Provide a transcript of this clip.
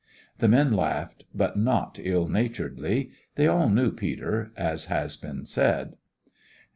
The men laughed, but not ill naturedly. They all knew Peter, as has been said.